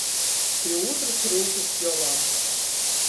Pi ūtrys rūkys Jolanta.